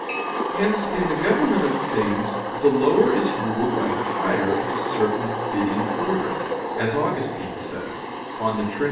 Hence in the government of things the lower is ruled by the higher in a certain fitting order, as Augustine says (De Trin.